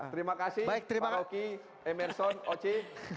terima kasih pak roki emerson oci